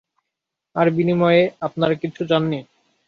আর বিনিময়ে আপনারা কিচ্ছু চাননি।